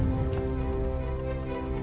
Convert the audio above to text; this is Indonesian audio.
nanti aku akan datang